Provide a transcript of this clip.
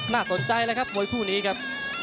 น่าสนใจเลยครับมวยผู้หนีครับ